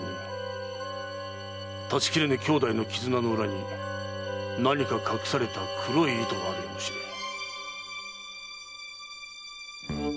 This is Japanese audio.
断ち切れぬ兄弟の絆の裏に何か隠された黒い意図があるやもしれぬ。